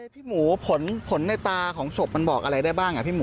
พี่หมูผลในตาของศพมันบอกอะไรได้บ้างพี่หมู